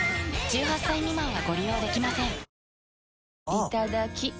いただきっ！